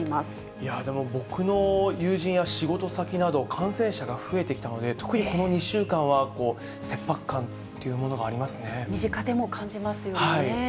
いやぁ、でも、僕の友人や仕事先など、感染者が増えてきたので、特にこの２週間は切迫感って身近でも感じますよね。